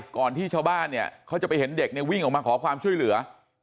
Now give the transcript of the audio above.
ก่อนที่ชาวบ้านเนี่ยเขาจะไปเห็นเด็กเนี่ยวิ่งออกมาขอความช่วยเหลือ